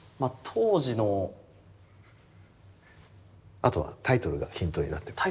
あとはタイトルがヒントになってます。